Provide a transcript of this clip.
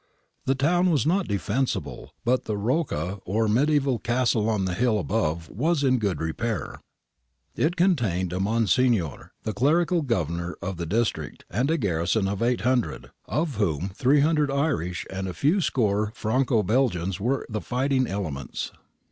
The town was not defensible, but the Rocca or mediaeval castle on the hill above was in good repair. It contained a Monsignore, the clerical governor of the district, and a garrison of 800, of whom 300 Irish and a few score Franco Belgians were the fighting elements.